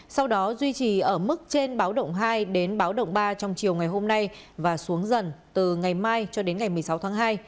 sau đó duy trì ở mức trên báo động hai đến báo động ba trong chiều ngày hôm nay và xuống dần từ ngày mai cho đến ngày một mươi sáu tháng hai